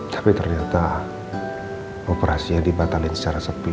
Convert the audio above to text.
tapi ternyata operasinya dibatalin secara sepi